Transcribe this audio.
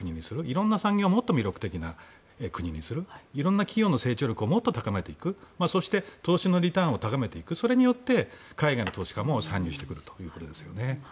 色んな産業をもっと魅力的な国にする色んな企業の成長力をもっと高めていくそして投資のリターンを高めていくそうすることで海外の投資家も参入してくるということですね。